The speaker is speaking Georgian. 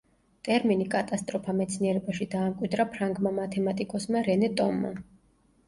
ტერმინი კატასტროფა მეცნიერებაში დაამკვიდრა ფრანგმა მათემატიკოსმა რენე ტომმა.